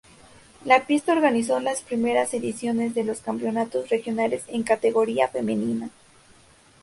La pista organizó las primeras ediciones de los campeonatos regionales en categoría femenina.